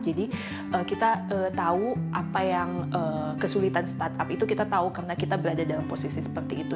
jadi kita tahu apa yang kesulitan startup itu kita tahu karena kita berada dalam posisi seperti itu